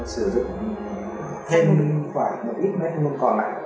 sử dụng thêm một ít một ít thôi còn lại